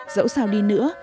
dẫu sao đi nữa